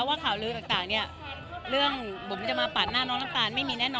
ว่าข่าวลือต่างเนี่ยเรื่องผมจะมาปาดหน้าน้องน้ำตาลไม่มีแน่นอน